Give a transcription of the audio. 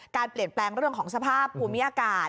การเปลี่ยนแปลงเรื่องของสภาพภูมิอากาศ